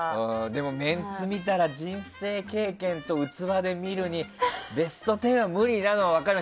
でも、メンツ見たら人生経験と器で見るにベスト１０は無理なのは分かる。